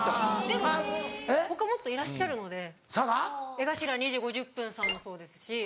江頭２：５０さんもそうですし。